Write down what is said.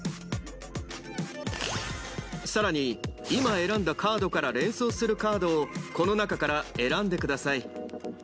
さらに今選んだカードから連想するカードをこの中から選んでください。